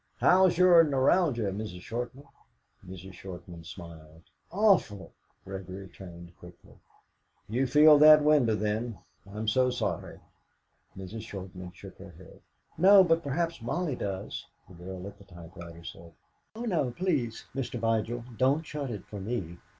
"How's your neuralgia, Mrs. Shortman?" Mrs. Shortman smiled. "Awful!" Gregory turned quickly. "You feel that window, then; I'm so sorry." Mrs. Shortman shook her head. "No, but perhaps Molly does." The girl at the typewriter said: "Oh no; please, Mr. Vigil, don't shut it for me."